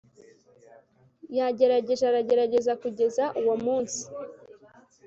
yagerageje aragerageza kugeza uwo munsi